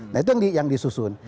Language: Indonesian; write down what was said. nah itu yang disusun